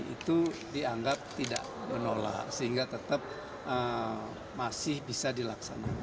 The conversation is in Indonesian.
itu dianggap tidak menolak sehingga tetap masih bisa dilaksanakan